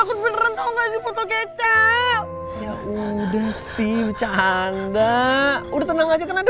cu planet ini terus saling digigit